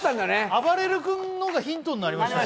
あばれる君のがヒントになりました。